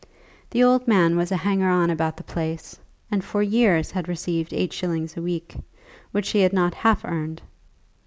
The old man was a hanger on about the place, and for years had received eight shillings a week, which he had not half earned.